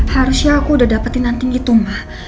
harusnya aku udah dapetin anting gitu ma